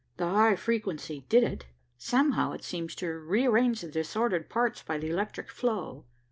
"The high frequency did it. Somehow it seems to rearrange the disordered parts by the electric flow."